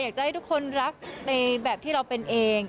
อยากจะให้ทุกคนรักในแบบที่เราเป็นเอง